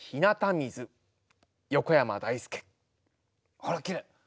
あらきれい！